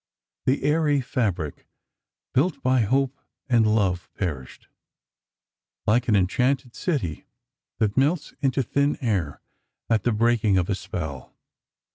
The airy fabric built by hope and love perished, like an enchanted city that melts into thin air at the breaking of a spell.